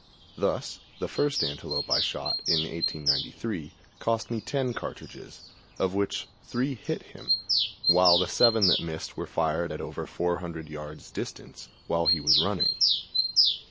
Thus, the first antelope I shot in 1893 cost me ten cartridges, of which three hit him, while the seven that missed were fired at over 400 yards' distance while he was running.